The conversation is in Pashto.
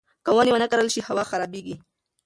که ونې ونه کرل شي، هوا خرابېږي.